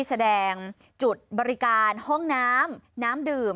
แสดงจุดบริการห้องน้ำน้ำดื่ม